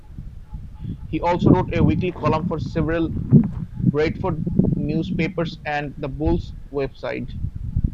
He also wrote a weekly column for several Bradford newspapers and the Bulls website.